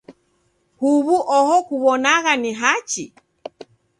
Huw'u oho kuw'onagha ni hachi?